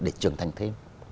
để trưởng thành thêm